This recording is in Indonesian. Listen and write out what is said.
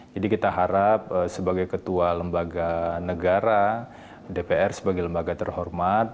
jadi kita harap sebagai ketua lembaga negara dpr sebagai lembaga terhormat